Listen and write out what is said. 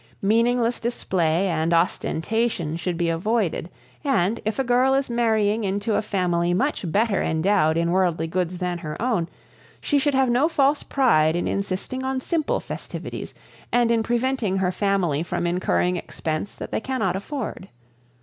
Meaningless display and ostentation should be avoided, and, if a girl is marrying into a family much better endowed in worldly goods than her own, she should have no false pride in insisting on simple festivities and in preventing her family from incurring expense that they cannot afford.